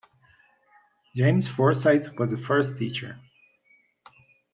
James Forsythe was the first teacher.